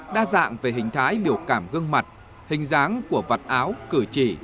đa dạng về hình thái biểu cảm gương mặt hình dáng của vật áo cử chỉ